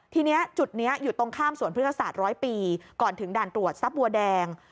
ทีนี้จุดนี้อยู่ตรงข้ามสวนพฤษศาสตร์ร้อยปีก่อนถึงด่านตรวจทรัพย์บัวแดง